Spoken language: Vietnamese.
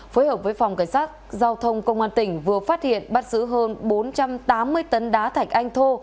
phối hợp với phòng cảnh sát giao thông công an tỉnh vừa phát hiện bắt giữ hơn bốn trăm tám mươi tấn đá thạch anh thô